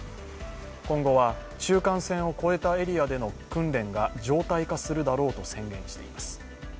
今後は中間線を越えたエリアでの訓練が常態化するだろうと宣言しています。